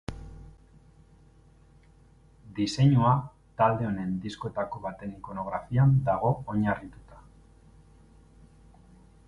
Diseinua, talde honen diskoetako baten ikonografian dago oinarrituta.